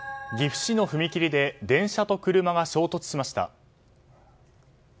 岐阜市の踏切で電車と車が衝突しました。